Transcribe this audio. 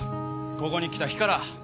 ここに来た日から。